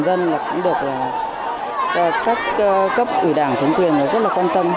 và toàn dân cũng được các cấp ủy đảng chính quyền rất là quan tâm